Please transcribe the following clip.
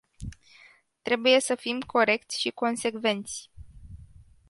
Trebuie să fim corecți și consecvenți.